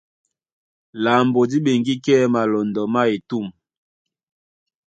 Lambo dí ɓeŋgí kɛ́ malɔndɔ má etûm.